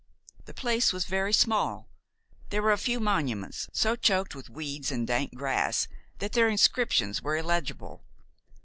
The place was very small. There were a few monuments, so choked with weeds and dank grass that their inscriptions were illegible.